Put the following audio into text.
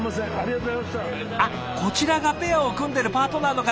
あっこちらがペアを組んでるパートナーの方！